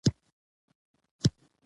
ترکیب ژبه بډایه کوي.